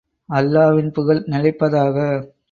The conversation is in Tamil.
அல்லாவின் புகழ் நிலைப்பதாக!